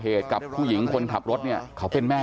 จนกระทั่งหลานชายที่ชื่อสิทธิชัยมั่นคงอายุ๒๙เนี่ยรู้ว่าแม่กลับบ้าน